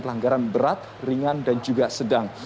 pelanggaran berat ringan dan juga sedang